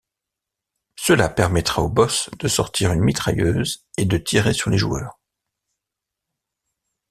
Cela permettra au boss de sortir une mitrailleuse et de tirer sur les joueurs.